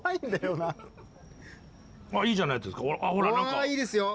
うわいいですよ。